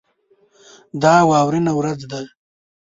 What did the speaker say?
دا واورینه ورځ ده.